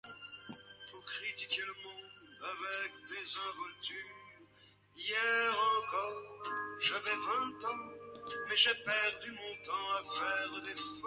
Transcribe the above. Il participe deux fois aux Jeux olympiques.